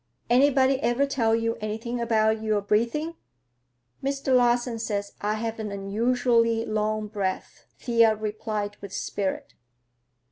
—Anybody ever tell you anything about your breathing?" "Mr. Larsen says I have an unusually long breath," Thea replied with spirit.